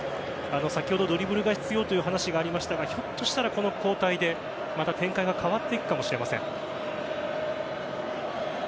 先ほどドリブルが必要という話がありましたがひょっとしたら、この交代でまた展開が変わっていくかもしれません。